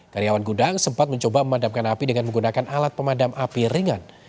karyawan gudang sempat mencoba memadamkan api dengan menggunakan alat pemadam api ringan